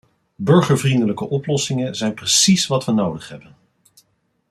Burgervriendelijke oplossingen zijn precies wat we nodig hebben.